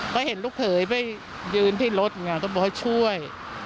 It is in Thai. เขาเห็นลูกเผยไปยืนที่รถเนี้ยก็บอกเขาช่วย